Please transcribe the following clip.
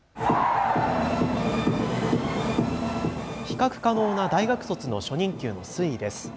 比較可能な大学卒の初任給の推移です。